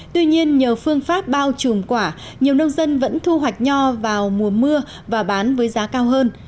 tuy nhiên nhờ phương pháp bao trùm quả nhiều nông dân vẫn thu hoạch nho vào mùa mưa và bán với giá cao hơn